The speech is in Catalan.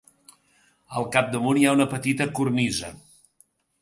Al capdamunt, hi ha una petita cornisa.